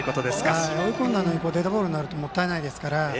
追い込んだのにデッドボールになるともったいないですから。